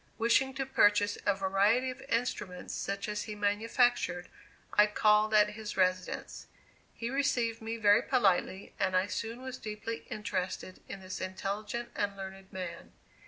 Wishing to purchase a variety of instruments such as he manufactured, I called at his residence. He received me very politely, and I soon was deeply interested in this intelligent and learned man.